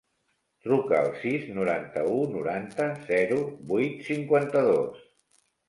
Truca al sis, noranta-u, noranta, zero, vuit, cinquanta-dos.